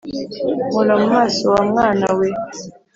nkora mu maso wa mwana we